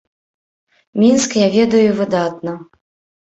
Мінск я ведаю выдатна.